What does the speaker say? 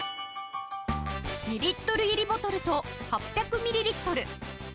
２リットル入りボトルと８００ミリリットル